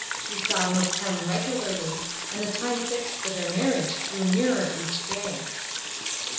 He saw Miss M regularly, and the time fixed for their marriage drew nearer each day."